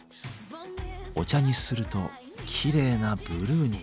お茶にするときれいなブルーに。